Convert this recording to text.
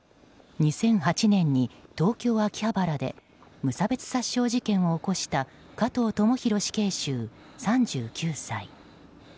２００８年に東京・秋葉原で無差別殺傷事件を起こした加藤智大死刑囚、３９歳。